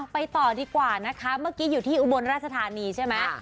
ไปต่อดีกว่านะคะเมื่อกี้อยู่ที่อุบลราชธานีใช่ไหม